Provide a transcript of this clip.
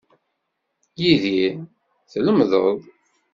Idir, tlemdeḍ.